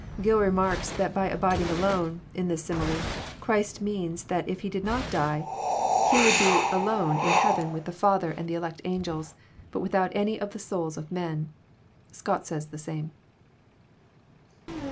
\ Gill remarks, that by " abiding alone," in this simile, Christ ^ meant that if He did not die, He would be '* alone "in heaven JOHN, CHAP. xn. 339 \ with the Father and the elect angels, but without any of tho sons of men. Scott says the same.